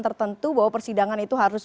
tertentu bahwa persidangan itu harus